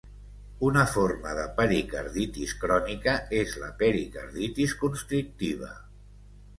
Una forma de pericarditis crònica és la pericarditis constrictiva.